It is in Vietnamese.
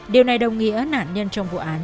điều này đồng nghĩa nạn nhân trong vụ án